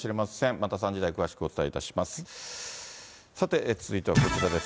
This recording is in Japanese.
また３時台、詳しくお伝えします。